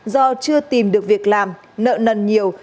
do chưa tìm được việc làm nợ nần nhiều